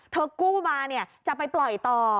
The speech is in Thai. กู้มาจะไปปล่อยต่อ